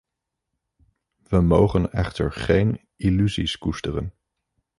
We mogen echter geen illusies koesteren.